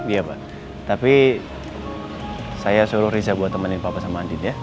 iya pak tapi saya suruh riza buat temenin papa sama andin ya